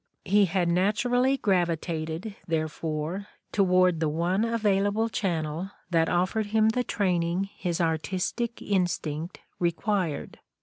'' He had naturally gravi tated, therefore, toward the one available channel that offered him the training his artistic instinct required.